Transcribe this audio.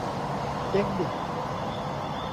เจ๊งดิ